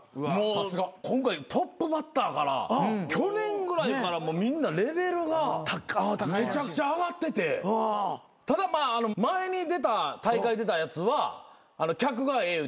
今回トップバッターから去年ぐらいからみんなレベルがめちゃくちゃ上がっててただまあ前に出た大会出たやつは「客がええ」